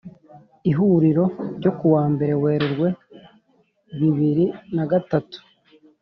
ihuriro ryo kuwa mbere werurwe bibiri na gatatu